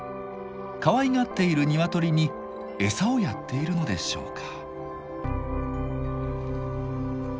かわいがっている鶏に餌をやっているのでしょうか？